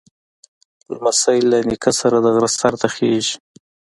لمسی له نیکه سره د غره سر ته خېږي.